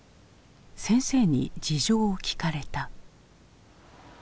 先生に事情を聞かれた。